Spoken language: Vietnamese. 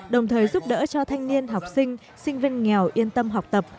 đồng thời giúp đỡ cho thanh niên học sinh sinh viên nghèo yên tâm học tập